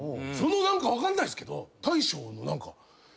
その何か分かんないですけど大将の何か。